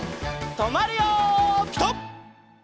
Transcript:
とまるよピタ！